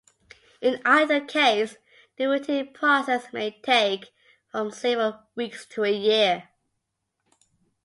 In either case, the rooting process may take from several weeks to a year.